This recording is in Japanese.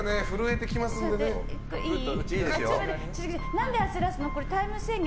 何で焦らすの？